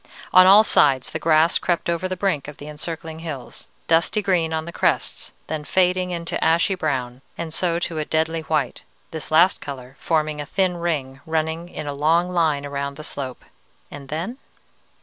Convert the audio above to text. On all sides the grass crept over the brink of the encircling hills, dusty green on the crests, then fading into ashy brown, and so to a deadly white, this last color forming a thin ring, running in a long line around the slope. And then?